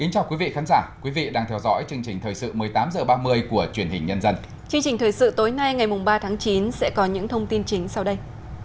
chương trình thời sự tối nay ngày ba tháng chín sẽ có những thông tin chính sau đây